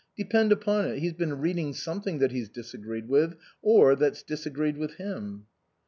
Depend upon it, he's been reading something that he's disagreed with, or that's disagreed with him."